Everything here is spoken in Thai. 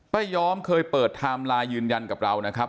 ไม่ยอมเคยเปิดไทม์ไลน์ยืนยันกับเรานะครับ